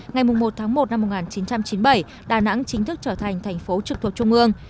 ngày một tháng một năm một nghìn chín trăm chín mươi bảy đà nẵng chính thức trở thành thành phố trực thuộc trung ương